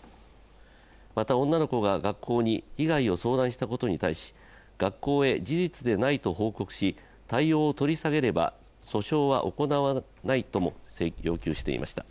また、女の子が学校に被害を相談したことに対し、学校へ事実でないと報告し対応を取り下げれば訴訟は行わないとも要求していました。